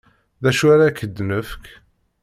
D acu ara ak-d-nefk?